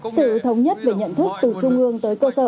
sự thống nhất về nhận thức từ trung ương tới cơ sở